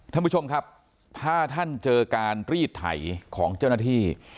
ท่านผู้ชมครับถ้าท่านเจอการรีดไถของเจ้าหน้าที่